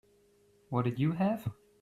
What did you have?